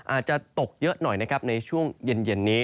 อาจจะตกเยอะหน่อยนะครับในช่วงเย็นนี้